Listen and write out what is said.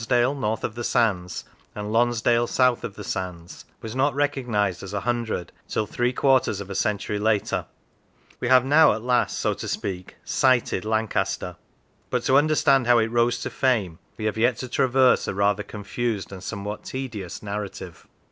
How It Came into Being now divide into Londsale north of the sands and Lons dale south of the sands was not recognised as a hundred till three quarters of a century later. We have now at last, so to speak, " sighted " Lancaster; but to understand how it rose to fame we have yet to traverse a rather confused and somewhat tedious narrative.